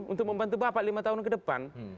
untuk membantu bapak lima tahun ke depan